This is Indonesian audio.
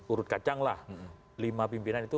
urut kacang lah lima pimpinan itu